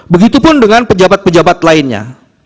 begitupun dengan pejabat pejabat lainnya